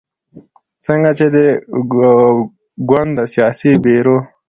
ځکه چې دې ګوند د سیاسي بیرو